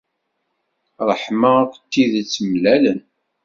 Ṛṛeḥma akked tidet mlalen.